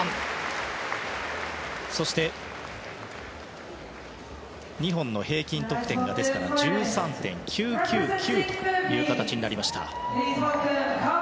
そして２本の平均得点が１３．９９９という形です。